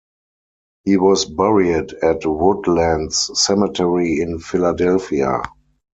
He was buried at Woodlands Cemetery in Philadelphia.